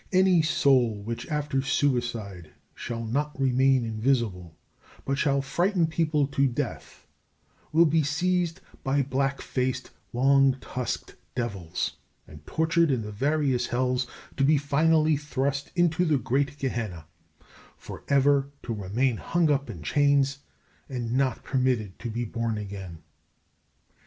Any soul which after suicide shall not remain invisible, but shall frighten people to death, will be seized by black faced long tusked devils and tortured in the various hells, to be finally thrust into the great Gehenna, for ever to remain hung up in chains, and not permitted to be born again.